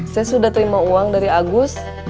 saya sudah terima uang dari agus